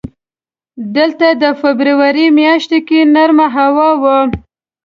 دلته د فبروري میاشت کې نرمه هوا وه.